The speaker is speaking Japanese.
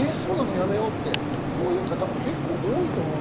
やめようって、こういう方も結構多いと思う。